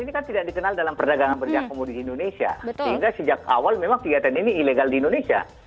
iya iya itu sudah dikenal dalam perdagangan berjakumo di indonesia sehingga sejak awal memang kegiatan ini ilegal di indonesia